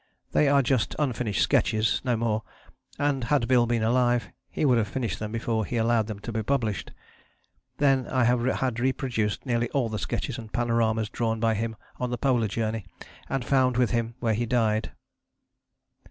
They are just unfinished sketches, no more: and had Bill been alive he would have finished them before he allowed them to be published. Then I have had reproduced nearly all the sketches and panoramas drawn by him on the Polar Journey and found with him where he died.